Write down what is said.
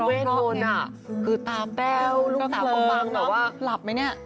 มันเวทมนต์อะคือตาแป้วลูกเผลอหลับไหมเนี่ย